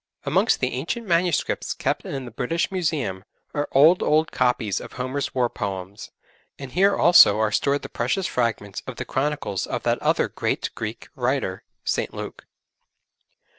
Amongst the ancient manuscripts kept in the British Museum are old old copies of Homer's War poems, and here also are stored the precious fragments of the chronicles of that other great Greek writer St. Luke.